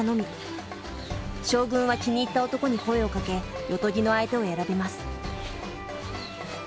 将軍は気に入った男に声をかけ夜伽の相手を選びます。